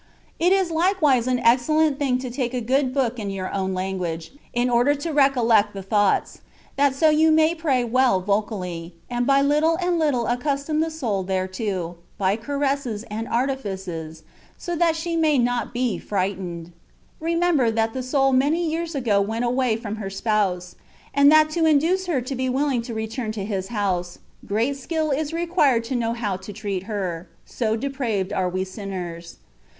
It is likewise an excellent thing to take a good book in your own language, in order to recollect the thoughts, that so you may pray well vocally, and by little and little accustom the soul thereto, by caresses and artifices, that so she may not be frightened. Remember, that the soul many years ago went away from her Spouse, and that to induce her to be willing to return to His house, great skill is required to know how to treat her, so depraved are we sinners.